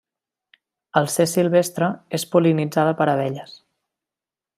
Al ser silvestre és pol·linitzada per abelles.